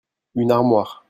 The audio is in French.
Une armoire.